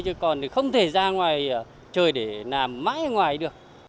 chứ còn thì không thể ra ngoài trời để làm mãi ở ngoài được